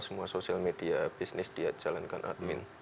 semua sosial media bisnis dia jalankan admin